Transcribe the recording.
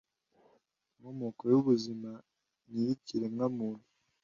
inkomoko y’ubuzima n’iy’ikiremwa muntu